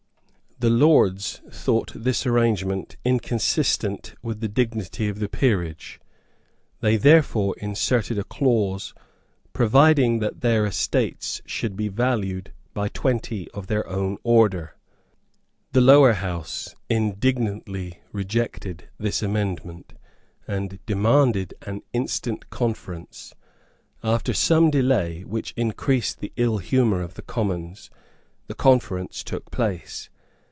The Lords thought this arrangement inconsistent with the dignity of the peerage. They therefore inserted a clause providing that their estates should be valued by twenty of their own order. The Lower House indignantly rejected this amendment, and demanded an instant conference. After some delay, which increased the ill humour of the Commons, the conference took place.